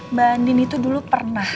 mbak andini tuh dulu pernah